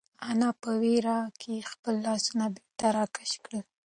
انا په وېره کې خپل لاسونه بېرته راکش کړل.